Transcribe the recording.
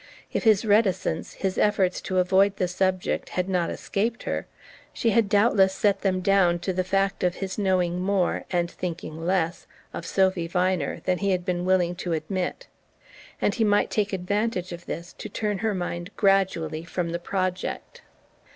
If his reticence, his efforts to avoid the subject, had not escaped her, she had doubtless set them down to the fact of his knowing more, and thinking less, of Sophy Viner than he had been willing to admit; and he might take advantage of this to turn her mind gradually from the project.